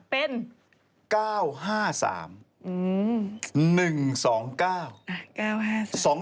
เป็น